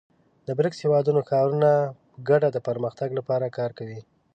د بریکس هېوادونو ښارونه په ګډه د پرمختګ لپاره کار کوي.